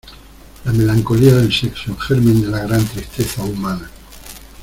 la melancolía del sexo, germen de la gran tristeza humana.